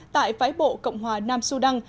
tại phái bộ cộng hòa nam sudan